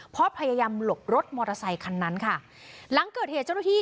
เพราะพยายามหลบรถมอเตอร์ไซคันนั้นค่ะหลังเกิดเหตุเจ้าหน้าที่